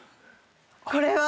これは。